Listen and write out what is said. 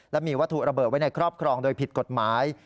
และมีวัตถุระเบิดไว้ในครอบครองโดยผิดกฎหมาย